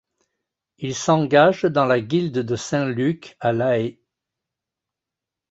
Il s'engage dans la Guilde de Saint-Luc à La Haye.